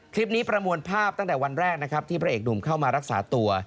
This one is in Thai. คลิปนี้ประมวลภาพตั้งแต่วันแรกที่พระเอกหนุ่มเข้ามารักษาตัว